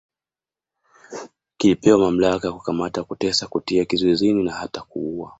Kilipewa mamlaka ya kukamata kutesa kutia kizuizini na hata kuuwa